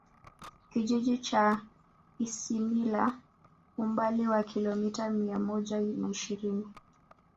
Kijiji cha Isimila umbali wa kilomita mia moja na ishirini